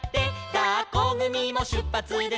「だっこぐみもしゅっぱつです」